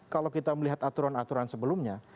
kalau kita melihat aturan aturan sebelumnya